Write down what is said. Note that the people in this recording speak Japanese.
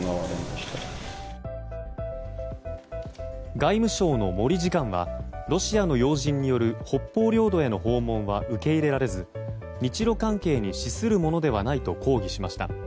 外務省の森次官はロシアの要人による北方領土への訪問は受け入れられず日露関係に資するものではないと抗議しました。